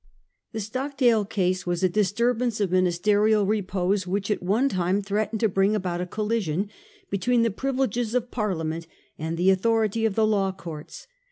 The Stockdale case was a disturbance of minis terial repose which at one time threatened to bring about a collision between the privileges of Parliament and the authority of the law courts.